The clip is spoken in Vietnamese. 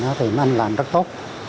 nó thì mình làm rất tốt